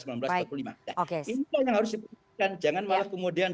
ini yang harus diperhatikan jangan malah kemudian